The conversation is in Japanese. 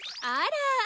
あら！